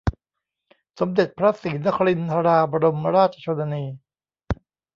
สมเด็จพระศรีนครินทราบรมราชชนนี